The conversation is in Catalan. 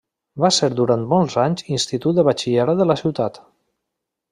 Va ser durant molts anys institut de batxillerat de la ciutat.